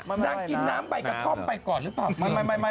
นางกินน้ำใบกระท่อมไปก่อนหรือเปล่า